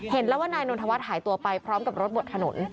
เห็นแล้วว่านายนนทวัฒน์หายตัวไปพร้อมกับรถบดถนน